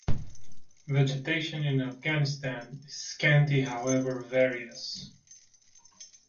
Vegetation in Afghanistan is scanty however various.